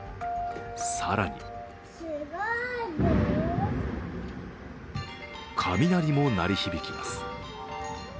更に雷も鳴り響きます。